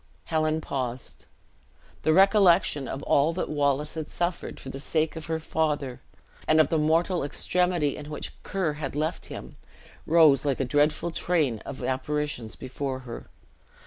Helen paused. The recollection of all that Wallace had suffered for the sake of her father, and of the mortal extremity in which Ker had left him, rose like a dreadful train of apparitions before her.